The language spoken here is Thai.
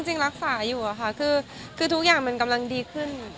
จริงรักษาอยู่ค่ะคือทุกอย่างมันกำลังดีขึ้น